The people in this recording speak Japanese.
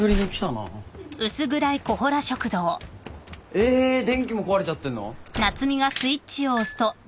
え電気も壊れちゃってんの？